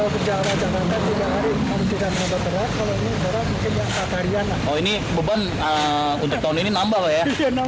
kalau ini beban untuk tahun ini nambah loh ya